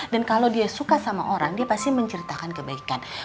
dan kalau dia suka sama orang dia pasti menceritakan kebaikan